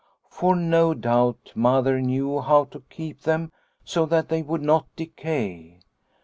For no doubt Mother knew how to keep them so that they would not decay.